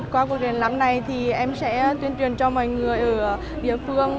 qua cuộc triển lãm này thì em sẽ tuyên truyền cho mọi người ở địa phương